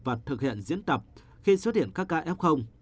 và thực hiện diễn tập khi xuất hiện các ca f